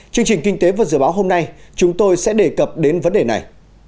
chương trình kinh tế và dự báo hôm nay chúng tôi sẽ đề cập đến vấn đề này